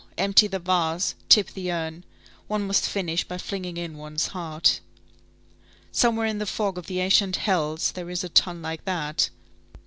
Empty the vase! tip the urn! One must finish by flinging in one's heart. Somewhere in the fog of the ancient hells, there is a tun like that.